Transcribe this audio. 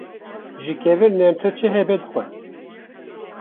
Ji kevir nermtir çi hebe dixwe.